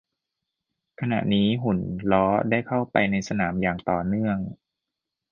ขณะนี้หุ่นล้อได้เข้าไปในสนามอย่างต่อเนื่อง